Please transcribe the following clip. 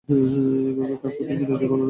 এভাবে কাকুতি-মিনতি করো না।